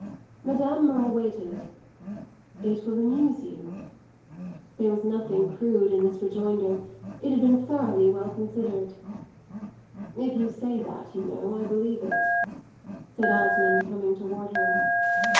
Madame Merle waited. "It will amuse you." There was nothing crude in this rejoinder; it had been thoroughly well considered. "If you say that, you know, I believe it," said Osmond, coming toward her.